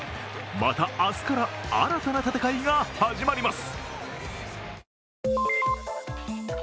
また明日から新たな戦いが始まります。